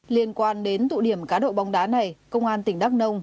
liên quan đến tụ điểm cá độ bóng đá này công an tỉnh đắk nông